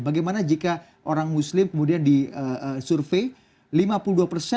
bagaimana jika orang muslim kemudian disurvey